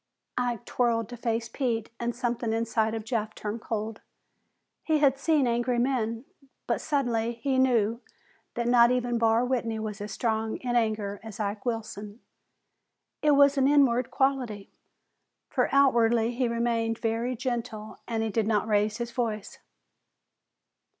Ike whirled to face Pete and something inside of Jeff turned cold. He had seen angry men, but suddenly he knew that not even Barr Whitney was as strong in anger as Ike Wilson. It was an inward quality, for outwardly he remained very gentle and he did not raise his voice.